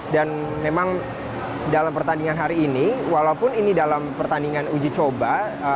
dan memang dalam pertandingan hari ini walaupun ini dalam pertandingan uji coba